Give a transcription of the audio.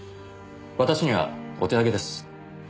私にはお手上げです。